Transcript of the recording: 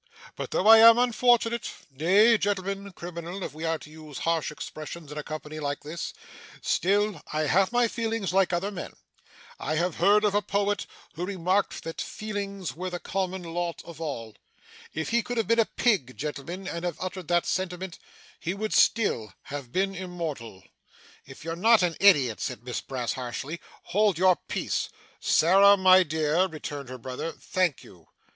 But though I am unfortunate nay, gentlemen, criminal, if we are to use harsh expressions in a company like this still, I have my feelings like other men. I have heard of a poet, who remarked that feelings were the common lot of all. If he could have been a pig, gentlemen, and have uttered that sentiment, he would still have been immortal.' 'If you're not an idiot,' said Miss Brass harshly, 'hold your peace.' 'Sarah, my dear,' returned her brother, 'thank you.